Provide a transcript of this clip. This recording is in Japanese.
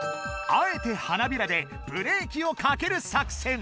あえて花びらでブレーキをかける作戦。